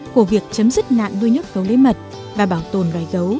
của việc chấm dứt nạn nuôi nhốt gấu lấy mật và bảo tồn loài gấu